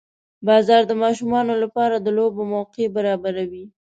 • باران د ماشومانو لپاره د لوبو موقع برابروي.